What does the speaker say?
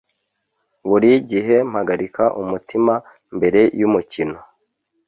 Buri gihe mpagarika umutima mbere yumukino